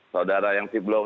saudara yang tiblok